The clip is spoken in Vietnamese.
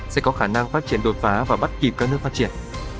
sẽ có khả năng phát triển đột phá và bắt kịp các nước phát triển